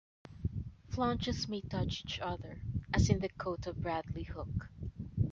Flaunches may touch each other, as in the coat of Bradley Hook.